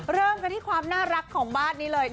เริ่มกันที่ความน่ารักของบ้านนี้เลย